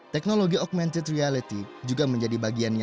teknologi augmented reality juga menjadi bagian yang sangat berharga